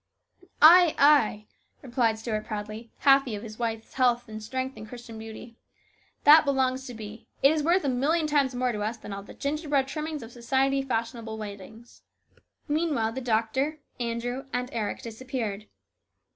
"Ay, ay," replied Stuart proudly, happy of his wife's health and strength and Christian beauty. "' That belongs to be.' It is worth a million times more to us than all the gingerbread trimmings of society fashionable weddings." Meanwhile the doctor, Andrew, and Eric disap peared.